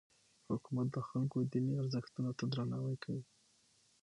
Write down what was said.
حکومت د خلکو دیني ارزښتونو ته درناوی کوي.